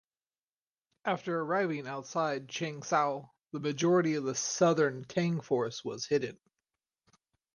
After arriving outside Changzhou the majority of the Southern Tang force was hidden.